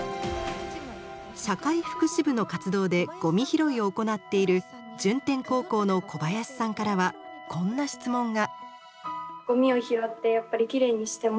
社会福祉部の活動でゴミ拾いを行っている順天高校の小林さんからはこんな質問が。